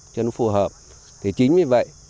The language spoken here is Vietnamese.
cho nó phù hợp thì chính vì vậy